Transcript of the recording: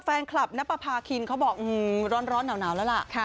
แฟนคลับนับประพาคินเขาบอกร้อนหนาวแล้วล่ะ